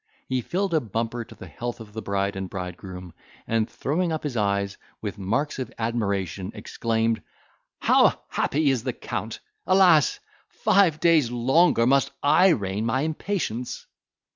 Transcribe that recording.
He filled a bumper to the health of the bride and bridegroom, and throwing up his eyes with marks of admiration, exclaimed, "How happy is the Count! alas! five days longer must I rein my impatience!"